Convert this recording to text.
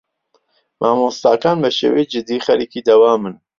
مامۆستاکان بەشێوەی جدی خەریکی دەوامن.